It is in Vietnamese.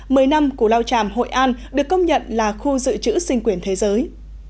mười năm của lao tràm hội an được công nhận là khu dự trữ sinh quyền thế giới